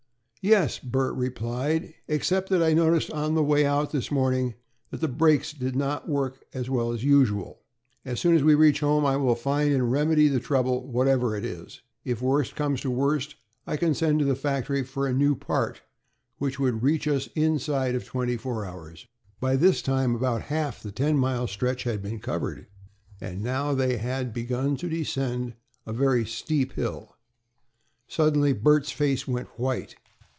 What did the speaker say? "Yes," Bert replied, "except that I noticed on the way out this morning that the brake did not work as well as usual. As soon as we reach home I will find and remedy the trouble, whatever it is. If worst comes to worst I can send to the factory for a new part, which would reach us inside of twenty four hours." By this time about half the ten mile stretch had been covered, and now they had begun to descend a very steep hill. Suddenly Bert's face went white.